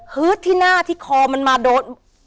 ฮึดที่หน้าที่คอมันมาโดน